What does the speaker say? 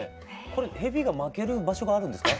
これ蛇が巻ける場所があるんですか？